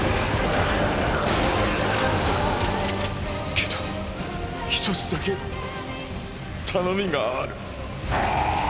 けど一つだけ頼みがある。